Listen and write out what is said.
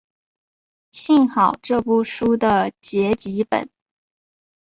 幸好这部书的结集本。